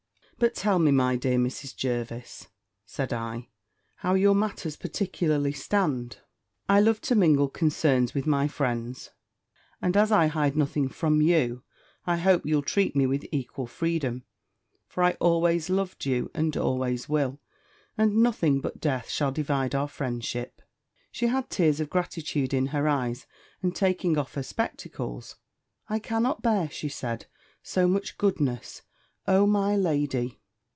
"But tell me, my dear Mrs. Jervis," said I, "how your matters particularly stand. I love to mingle concerns with my friends, and as I hide nothing from you, I hope you'll treat me with equal freedom; for I always loved you, and always will; and nothing but death shall divide our friendship." She had tears of gratitude in her eyes, and taking off her spectacles, "I cannot bear," she said, "so much goodness! Oh! my lady!"